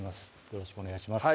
よろしくお願いします